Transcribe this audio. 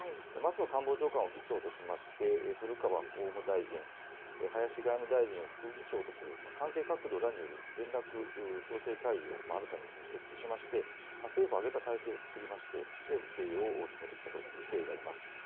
松野官房長官を議長として古川法務大臣、林外務大臣を副議長とする関係閣僚らによる連絡調整会議を新たに設置しまして政府を挙げて体制をつくりまして受け入れを進めてきたという経緯があります。